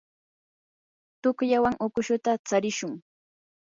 tuqllawan ukushuta tsarishun.